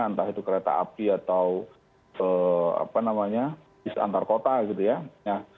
entah itu kereta api atau apa namanya bis antar kota gitu ya